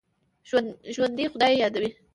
ژوندي خدای یادوي